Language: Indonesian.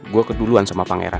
gue keduluan sama pangeran